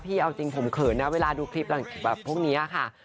พี่เอาจริงผมเขินเวลาดูคลิปหลังพวกแบบนี้ค่ะ